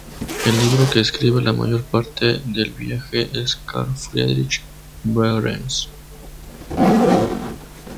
El libro que describe la mayor parte del viaje es de Carl Friedrich Behrens.